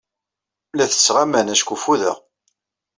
La ttesseɣ aman acku fudeɣ.